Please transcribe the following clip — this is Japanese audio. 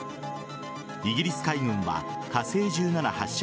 イギリス海軍は火星１７発射